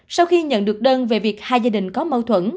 sau khi nhận được đơn về việc hai gia đình có mâu thuẫn